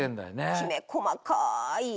きめ細かい。